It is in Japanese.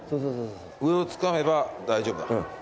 上をつかめば大丈夫だ。